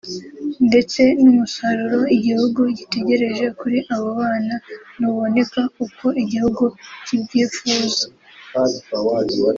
ndetse n’umusaruro igihugu gitegereje kuri abo bana ntuboneke uko igihugu kibyifuza